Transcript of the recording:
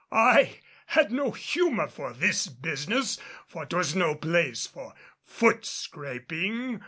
I had no humor for this business, for 'twas no place for foot scraping.